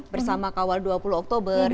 bersama kawal dua puluh oktober